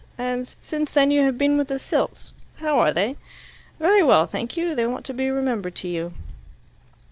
And since then you have been with the Silts. How are they?" "Very well, thank you. They want to be remembered to you."